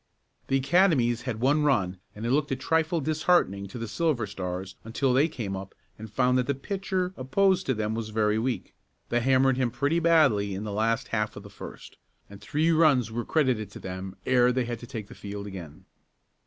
The Academys had one run and it looked a trifle disheartening to the Silver Stars until they came up and found that the pitcher opposed to them was very weak. They hammered him pretty badly in the last half of the first, and three runs were credited to them ere they had to take the field again.